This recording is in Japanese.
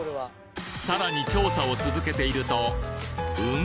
さらに調査を続けているとん？